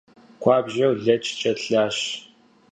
Куэбжэр лэчкӏэ лащ.